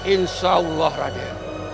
insya allah raden